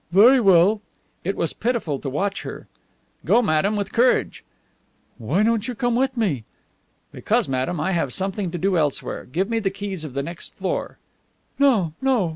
"Very well." It was pitiful to watch her. "Go, madame, with courage." "Why don't you come with me?" "Because, madame, I have something to do elsewhere. Give me the keys of the next floor." "No, no.